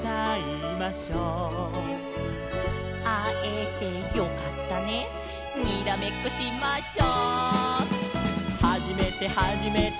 「あえてよかったねにらめっこしましょ」「はじめてはじめて」